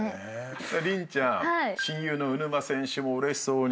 麟ちゃん親友の鵜沼選手もうれしそうに喜んでましたね。